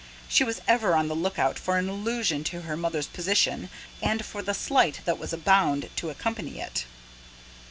She was ever on the look out for an allusion to her mother's position, and for the slight that was bound to accompany it.